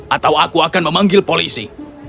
atau aku akan memanggil polisi